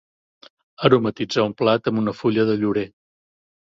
Aromatitzar un plat amb una fulla de llorer.